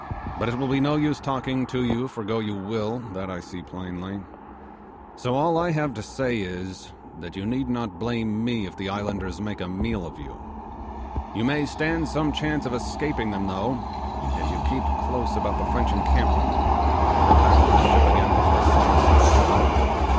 But it will be no use talking to you, for go you will, that I see plainly; so all I have to say is, that you need not blame me if the islanders make a meal of you. You may stand some chance of escaping them though, if you keep close about the French encampment, and are back to the ship again before sunset.